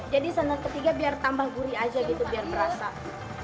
jadi santan ketiga biar tambah gurih aja gitu biar berasa